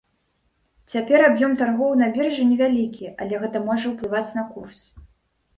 Цяпер аб'ём таргоў на біржы невялікі, але гэта можа ўплываць на курс.